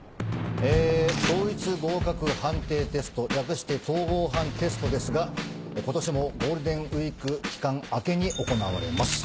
え統一合格判定テスト略して統合判テストですが今年もゴールデンウィーク期間明けに行われます。